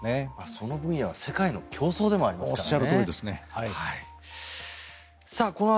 その分野は世界の競争でもありますからね。